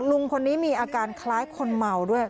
ลุงคนนี้มีอาการคล้ายคนเมาด้วย